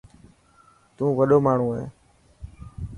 تون وڏو ماڻهو هي.